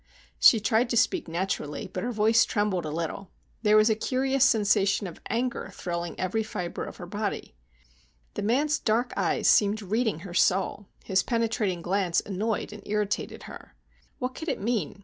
She tried to speak naturally, but her voice trembled a little. There was a curious sensation of anger thrilling every fibre of her body. The man's dark eyes seemed reading her soul. His penetrating glance annoyed and irritated her. What could it mean?